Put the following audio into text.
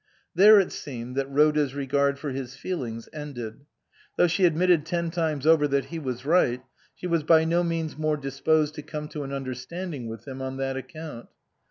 There it seemed that Rhoda's regard for his feelings ended. Though she admitted ten times over that he was right, she was by no means more disposed to come to an understanding with him on that account.